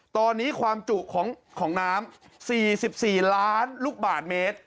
ตอนนี้ความจุของน้ำ๔๔ล้านลูกบาทเมตร